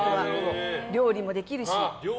料理もできるし。